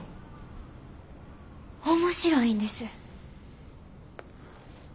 面白いんです。